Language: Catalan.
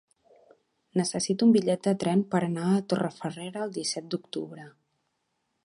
Necessito un bitllet de tren per anar a Torrefarrera el disset d'octubre.